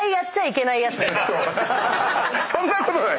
そんなことない！